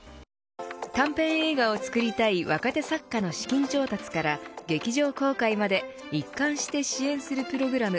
短編映画を作りたい若手作家の資金調達から劇場公開まで、一貫して支援するプログラム